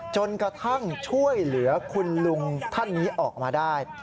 จนกระทั่งช่วยเหลือคุณลุงท่านนี้ออกมาได้